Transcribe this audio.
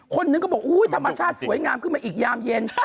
คนนึงก็บอกอุ๊ยธรรมชาติสวยงามขึ้นมาอีกยามเย็น